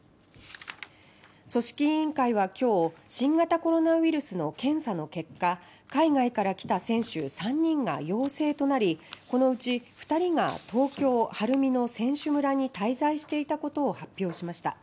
組織委員会はきょう新型コロナウイルスの検査の結果海外から来た選手３人が陽性となりこのうち２人が東京・晴海の選手村に滞在していたことを発表しました。